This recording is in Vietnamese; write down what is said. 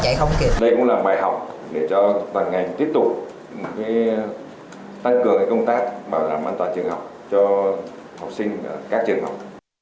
các học đây cũng là bài học để cho toàn ngành tiếp tục tăng cường công tác bảo đảm an toàn trường học cho học sinh ở các trường học